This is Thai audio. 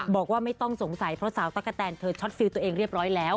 บอกว่าไม่ต้องสงสัยเพราะสาวตั๊กกะแตนเธอช็อตฟิลตัวเองเรียบร้อยแล้ว